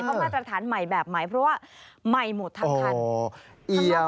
เขามาตรฐานใหม่แบบไหนเพราะว่าใหม่หมดทั้งคัน